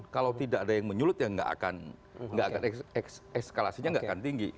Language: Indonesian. kalau tidak ada yang menyulut ya tidak akan eskalasinya tidak akan tinggi